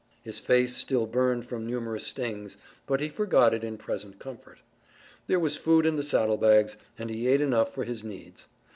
His face still burned from numerous stings, but he forgot it in present comfort. There was food in the saddlebags, and he ate enough for his needs.